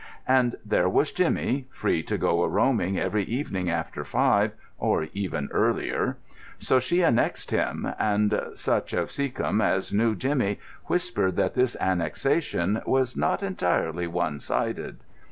And there was Jimmy, free to go a roaming every evening after five, or even earlier. So she annexed him, and such of Seacombe as knew Jimmy whispered that this annexation was not entirely one sided.